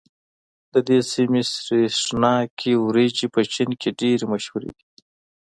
د دې سيمې سرېښناکې وريجې په چين کې ډېرې مشهورې دي.